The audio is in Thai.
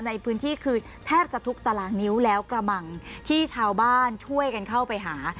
ในพื้นที่คือแทบจะทุกตารางนิ้วแล้วกระมังที่ชาวบ้านช่วยกันเข้าไปหา